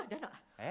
えっ？